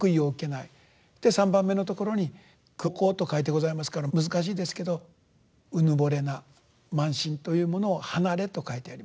で三番目のところに「貢高」と書いてございますから難しいですけどうぬぼれな慢心というものを離れと書いてる。